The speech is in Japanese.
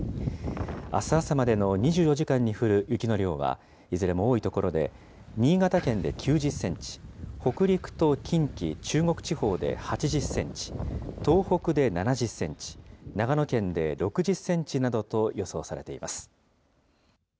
あす朝までの２４時間に降る雪の量は、いずれも多い所で、新潟県で９０センチ、北陸と近畿、中国地方で８０センチ、東北で７０センチ、長野県で６０センチなどと予想されています。